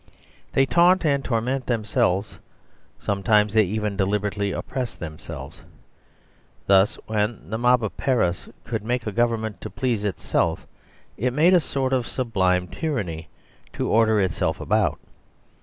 They taunt and torment themselves; sometimes they even deliberately oppress themselves. Thus, when the mob of Paris could make a Government to please itself, it made a sort of sublime tyranny to order itself about.